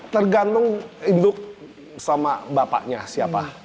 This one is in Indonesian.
tergantung induk sama bapaknya siapa